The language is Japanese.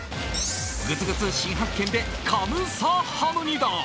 グツグツ新発見でカムサハムニダ！